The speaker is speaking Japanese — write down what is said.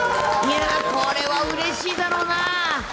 いやー、これはうれしいだろうな。